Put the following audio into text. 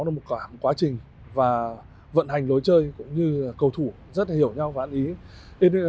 chúng ta đã có một khoảng quá trình và vận hành lối chơi cũng như cầu thủ rất hiểu nhau và ăn ý